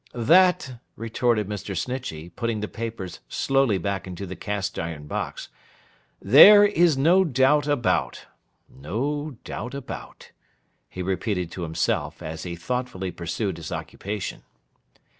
'That,' retorted Mr. Snitchey, putting the papers slowly back into the cast iron box, 'there is no doubt about. No doubt a—bout,' he repeated to himself, as he thoughtfully pursued his occupation.